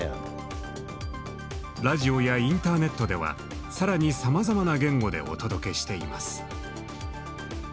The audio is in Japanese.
ラジオやインターネットでは更にさまざまな言語でお届けしています。